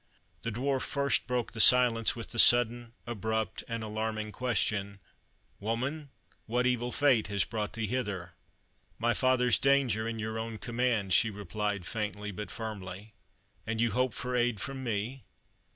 The Dwarf first broke the silence with the sudden, abrupt, and alarming question, "Woman, what evil fate has brought thee hither?" "My father's danger, and your own command," she replied faintly, but firmly. "And you hope for aid from me?"